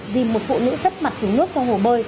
dìm một phụ nữ sắp mặt xuống nước trong hồ bơi